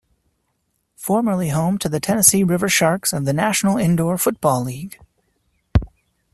Formerly home to the Tennessee River Sharks of the National Indoor Football League.